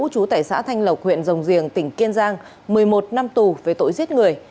chú tại xã thanh lộc huyện rồng riềng tỉnh kiên giang một mươi một năm tù về tội giết người